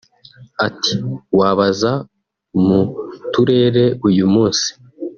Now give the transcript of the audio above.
Ati “Wabaza mu Turere uyu munsi